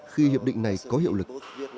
khi hiệp định này có hiệu lực